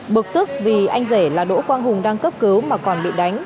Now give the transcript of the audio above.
bực tức vì anh rể là đỗ quang hùng đang cấp cứu mà còn bị đánh